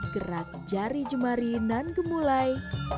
gerak jari jemari nan gemulai